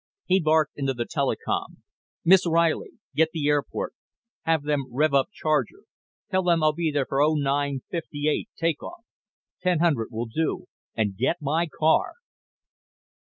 He barked into the intercom: "Miss Riley! Get the airport. Have them rev up Charger. Tell them I'll be there for oh nine fifty eight take off. Ten hundred will do. And get my car."